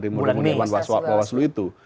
mulai mulai bawaslu itu